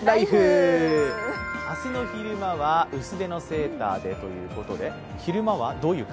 明日の昼間は薄手のセーターでということで昼間はどういう？